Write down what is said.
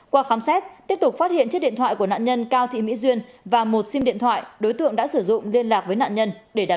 qua khám xét tiếp tục phát hiện chiếc điện thoại của nạn nhân cao thị mỹ duyên và một sim điện thoại đối tượng đã sử dụng liên lạc với nạn nhân để đạt